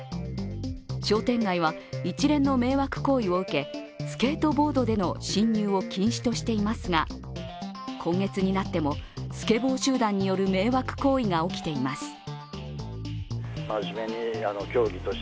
商店街は一連の迷惑行為を受けスケートボードでの進入を禁止としていますが今月になっても、スケボー集団による迷惑行為が起きています。